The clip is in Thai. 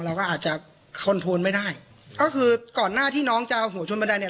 เราก็อาจจะคอนโทนไม่ได้ก็คือก่อนหน้าที่น้องจะเอาหัวชนบันไดเนี่ย